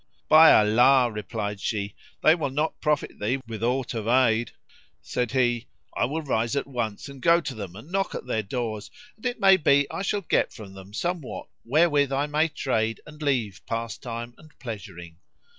"By Allah," replied she, "they will not profit thee with aught of aid." Said he, "I will rise at once and go to them; and knock at their doors; it may be I shall get from them somewhat wherewith I may trade and leave pastime and pleasuring."